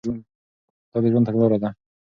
دا د ژوند تګلاره ده.